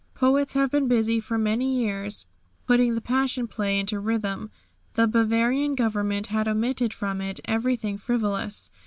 Poets have been busy for many years putting the Passion Play into rhythm. The Bavarian Government had omitted from it everything frivolous.